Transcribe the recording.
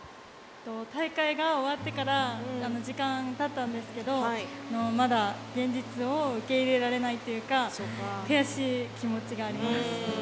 大会が終わってから時間たったんですけどまだ、現実を受け入れられないというか悔しい気持ちがあります。